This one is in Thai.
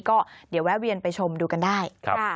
ก็เดี๋ยวแวะเวียนไปชมดูกันได้